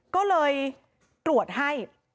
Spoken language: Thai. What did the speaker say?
ก็เลยตรวจให้